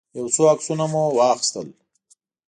يو څو عکسونه مو واخيستل.